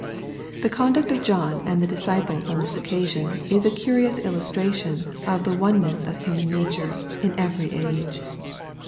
The conduct of John and the disciples on this occasion is a curious illustration of the oneness of human nature, in every age.